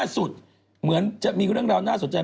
สุดเหมือนจะมีเรื่องราวน่าสนใจ